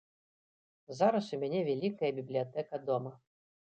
Зараз у мяне вялікая бібліятэка дома.